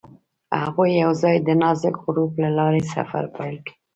هغوی یوځای د نازک غروب له لارې سفر پیل کړ.